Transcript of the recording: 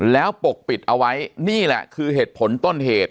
แล้วปกปิดเอาไว้นี่แหละคือเหตุผลต้นเหตุ